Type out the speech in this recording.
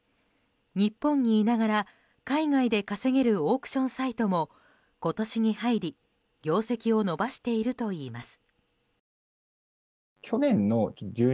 日本にいながら海外で稼げるオークションサイトも今年に入り業績を伸ばしているといいます。